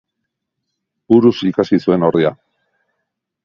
Buruz ikasi zuen, ordea.